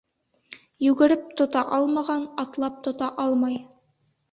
Йүгереп тота алмаған атлап тота алмай.